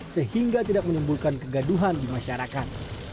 sehingga tidak menimbulkan kegaduhan di masyarakat